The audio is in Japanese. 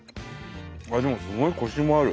でもすごいコシもある。